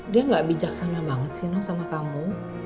dia gak bijaksana banget sih nol sama kamu